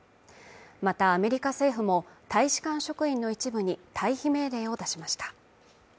またアメリカ政府も大使館職員の一部に退避命令を出しました